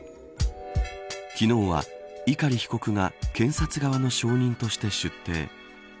昨日は、碇被告が検察側の証人として出廷。